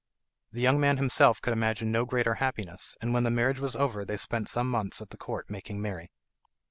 The young man himself could imagine no greater happiness, and when the marriage was over they spent some months at the court making merry.